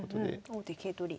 王手桂取り。